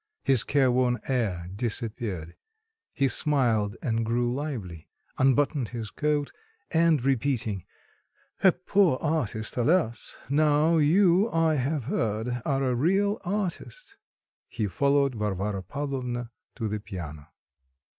His care worn air disappeared; he smiled and grew lively, unbuttoned his coat, and repeating "a poor artist, alas! Now you, I have heard, are a real artist; he followed Varvara Pavlovna to the piano....